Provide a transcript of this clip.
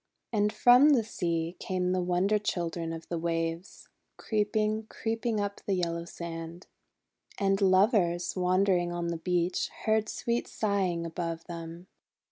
And from the sea came the Wonder Children of the Waves, creeping, creeping up the yellow sand. And Lovers, wandering on the beach, heard sweet sighing above them.